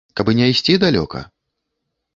Каб і не ісці далёка?